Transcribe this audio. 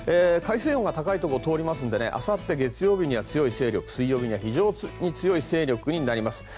海水温が高いところを通りますのであさって月曜日には強い勢力水曜日には非常に強い勢力になります。